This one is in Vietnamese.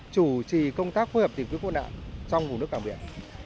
chủ trì công tác phối hợp tìm kiếm cứu nạn trong vùng nước cảng biển